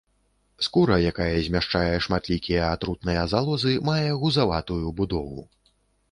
Скура, якая змяшчае шматлікія атрутныя залозы, мае гузаватую будову.